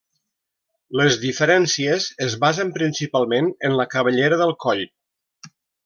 Les diferències es basen principalment en la cabellera del coll.